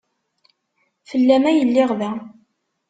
Fell-am ay lliɣ da.